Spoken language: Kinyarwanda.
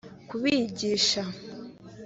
kubigisha